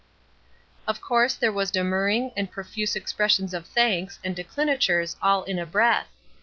Of course there was demurring, and profuse expressions of thanks and declinatures all in a breath.